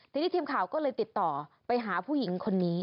ทีนี้ทีมข่าวก็เลยติดต่อไปหาผู้หญิงคนนี้